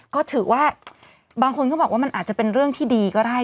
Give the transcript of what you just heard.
ก็ถือว่าบางคนก็บอกว่ามันอาจจะเป็นเรื่องที่ดีก็ได้